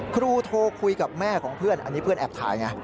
ครูโทรคุยกับแม่ของเพื่อนอันนี้เพื่อนแอบถ่ายไง